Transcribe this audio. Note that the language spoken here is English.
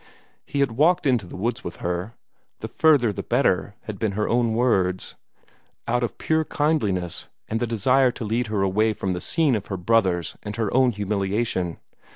He had walked into the woods with her "the further the better" had been her own words out of pure kindliness, and the desire to lead her away from the scene of her brother's and her own humiliation.